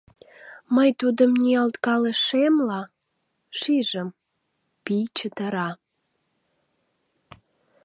Мый, тудым ниялткалышемла, шижым: пий чытыра.